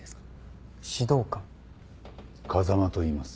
風間といいます。